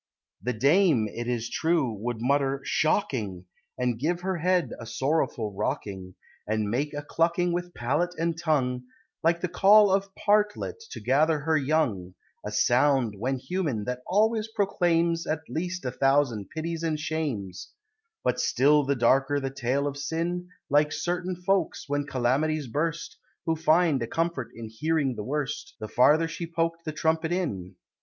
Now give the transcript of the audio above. The Dame, it is true, would mutter "Shocking!" And give her head a sorrowful rocking, And make a clucking with palate and tongue, Like the call of Partlet to gather her young, A sound, when human, that always proclaims At least a thousand pities and shames; But still the darker the tale of sin, Like certain folks, when calamities burst, Who find a comfort in "hearing the worst," The farther she poked the Trumpet in.